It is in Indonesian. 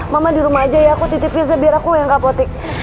mama di rumah aja ya aku titip firza biar aku yang kapotik